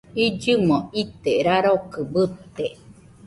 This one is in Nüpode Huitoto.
Illɨmo ite rarokɨ bɨte